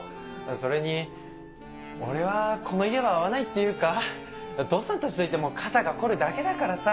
それに俺はこの家は合わないっていうか父さんたちといても肩が凝るだけだからさ。